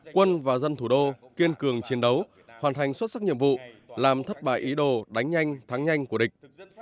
quân và dân thủ đô kiên cường chiến đấu hoàn thành xuất sắc nhiệm vụ làm thất bại ý đồ đánh nhanh thắng nhanh của địch